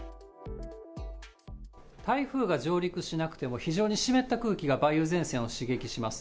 台風が上陸しなくても、非常に湿った空気が梅雨前線を刺激します。